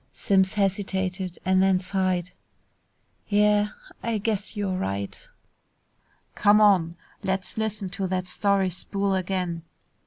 Simms hesitated and then sighed, "Yeah, I guess you're right." "Come on. Let's listen to that story spool again."